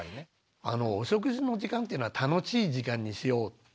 お食事の時間っていうのは楽しい時間にしよう。